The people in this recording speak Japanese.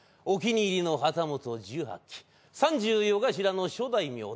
お気に入りの旗本１８３４頭の諸大名